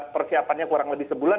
persiapannya kurang lebih sebulan